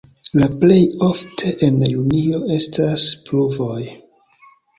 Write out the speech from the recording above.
La plej ofte en junio estas pluvoj.